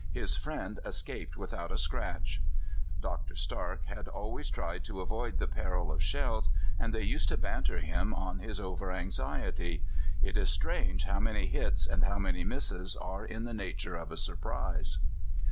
His friend escaped without a scratch. Dr. Starke had always tried to avoid the peril of shells, and they used to banter him on his over anxiety. It is strange how many hits and how many misses are in the nature of a surprise.